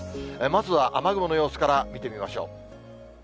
まずは雨雲の様子から見てみましょう。